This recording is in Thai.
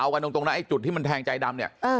เอากันตรงนะไอ้จุดที่มันแทงใจดำเนี่ย